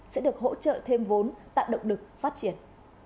sẽ được hỗ trợ thêm vốn tạo động lực phát triển